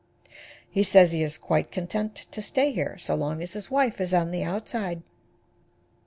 He says he is quite content to stay here, so long as his wife is on the outside.